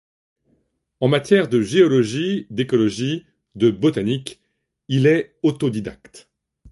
En matière de géologie, d'écologie, de botanique, il est autodidacte.